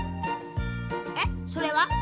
えっそれは？